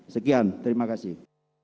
sekian terima kasih